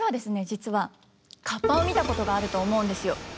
実はカッパを見たことがあると思うんですよ。